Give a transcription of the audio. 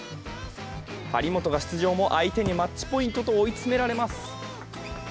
張本が出場も、相手にマッチポイントと追い詰められます。